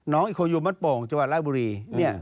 น้องอีกคนอยู่มัดโป่งจวัดลากบุรีเนี่ย